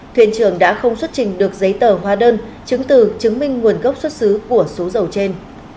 thuyền trưởng đã không xuất trình được giấy tờ hóa đơn chứng từ chứng minh nguồn gốc xuất xứ của số dầu trên